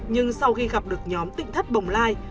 nhưng sau khi gặp được nhóm tỉnh thất bồng lai